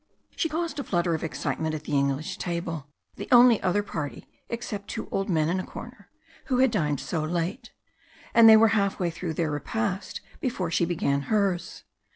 She caused a flutter of excitement at the English table, the only other party, except two old men in a corner, who had dined so late, and they were half way through their repast before she began hers.